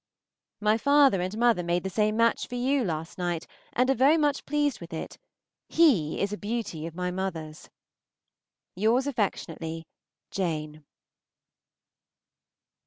My father and mother made the same match for you last night, and are very much pleased with it. He is a beauty of my mother's. Yours affectionately, JANE.